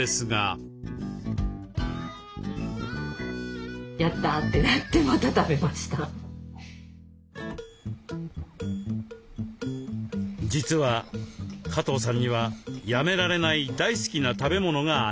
実は加藤さんにはやめられない大好きな食べ物があります。